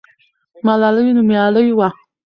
ملالۍ نومیالۍ وه.